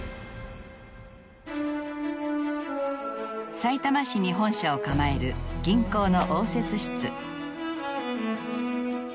さいたま市に本社を構える銀行の応接室。